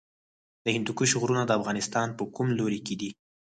د هندوکش غرونه د افغانستان په کوم لوري کې دي؟